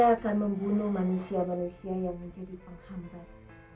dan saya akan membunuh manusia manusia yang menjadi penghambat